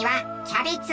キャベツ。